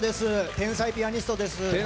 天才ピアニストです。